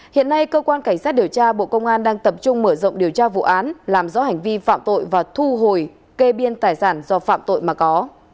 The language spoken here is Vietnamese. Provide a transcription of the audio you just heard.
hiện nay cơ quan cảnh sát điều tra bộ công an đang tập trung mở rộng điều tra vụ án làm rõ hành vi phạm tội và thu hồi kê biên tài sản do phạm tội mà có